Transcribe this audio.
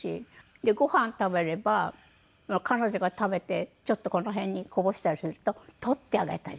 でご飯食べれば彼女が食べてちょっとこの辺にこぼしたりすると取ってあげたり。